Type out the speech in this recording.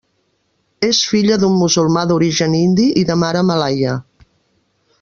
És filla d'un musulmà d'origen indi i de mare malaia.